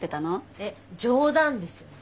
えっ冗談ですよね？